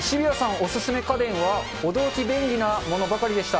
お勧め家電は、驚き便利なものばかりでした。